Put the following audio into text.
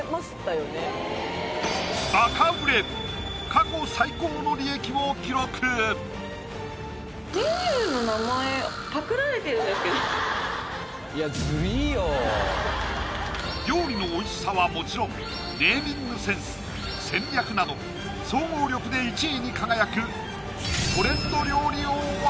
過去最高の利益を記録料理の美味しさはもちろんネーミングセンス・戦略など総合力で１位に輝く